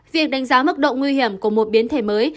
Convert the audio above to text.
việc đánh giá mức độ nguy hiểm của một biến thể mới